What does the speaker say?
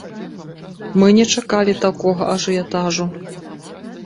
Мы не чакалі такога ажыятажу.